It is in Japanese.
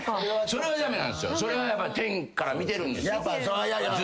それは天から見てるんですよ。